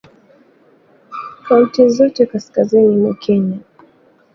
Kaunti zote kaskazini mwa Kenya